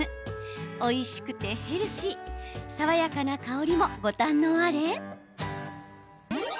おいしくてヘルシー爽やかな香りもご堪能あれ！